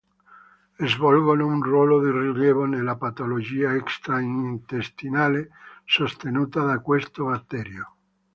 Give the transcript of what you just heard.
Svolgono un ruolo di rilievo nella patologia extra-intestinale sostenuta da questo batterio.